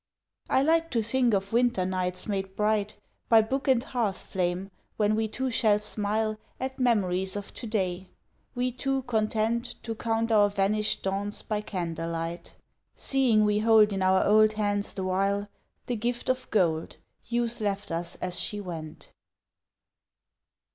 I like to think of Winter nights made bright By book and hearth flame when we two shall smile At memories of to day we two content To count our vanished dawns by candle light Seeing we hold in our old hands the while The gift of gold youth left us as she went.